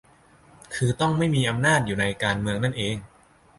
คือต้องไม่มีอำนาจอยู่ในการเมืองนั่นเอง